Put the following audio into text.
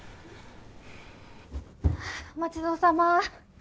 お待ち遠さま。